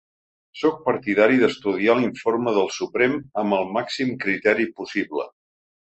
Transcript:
Sóc partidari d’estudiar l’informe del Suprem amb el màxim criteri possible.